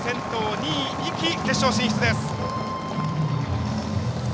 ２位、壹岐、決勝進出です。